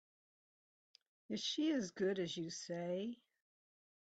Is she as good as you say?